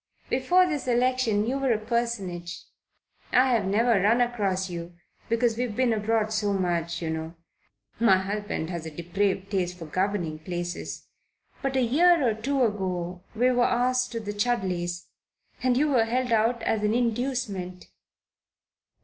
"Before this election you were a personage. I've never run across you because we've been abroad so much, you know my husband has a depraved taste for governing places but a year or two ago we were asked to the Chudleys, and you were held out as an inducement."